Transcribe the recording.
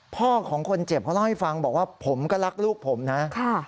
ของคนเจ็บเขาเล่าให้ฟังบอกว่าผมก็รักลูกผมนะ